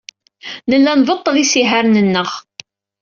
Nella nbeṭṭel isihaṛen-nneɣ.